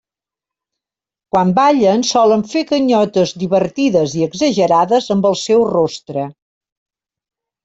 Quan ballen solen fer ganyotes divertides i exagerades amb el seu rostre.